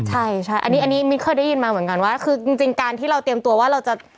ใช่ใช่อันนี้อันนี้มิ้นเคยได้ยินมาเหมือนกันว่าคือจริงการที่เราเตรียมตัวว่าเราจะ